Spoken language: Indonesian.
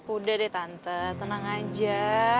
udah deh tante tenang aja